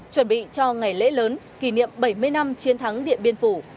chuẩn bị cho ngày lễ lớn kỷ niệm bảy mươi năm chiến thắng điện biên phủ